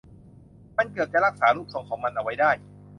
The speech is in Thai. มันเกือบจะรักษารูปทรงของมันเอาไว้ได้